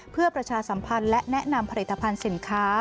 เพื่อประชาสัมพันธ์และแนะนำผลิตภัณฑ์สินค้า